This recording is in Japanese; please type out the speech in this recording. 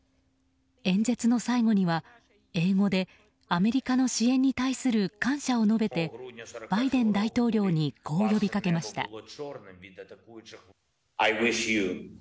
演説の最後には英語でアメリカの支援に対する感謝を述べてバイデン大統領にこう呼びかけました。